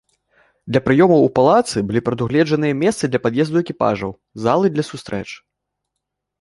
Для прыёмаў у палацы былі прадугледжаныя месцы для пад'езду экіпажаў, залы для сустрэч.